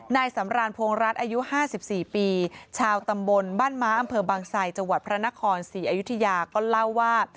นายสำรานพงรัฐอายุ๕๔ปีชาวตำบลบ้านม้าอำเภอบางไซจังหวัดพระนครศรีอยุธยาก็เล่าว่า